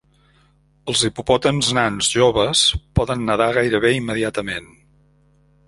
Els hipopòtams nans joves poden nedar gairebé immediatament.